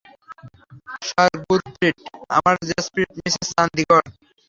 সর গুরপ্রিট আমার জেসপিট মিসেস চান্দিগড়।